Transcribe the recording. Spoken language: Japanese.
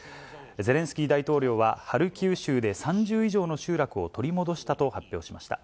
ゼレンスキー大統領は、ハルキウ州で、３０以上の集落を取り戻したと発表しました。